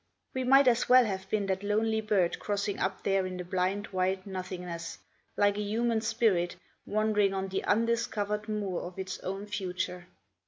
We might as well have been that lonely bird crossing up there in the blind white nothingness, like a human spirit wandering on the undiscovered moor of its own future.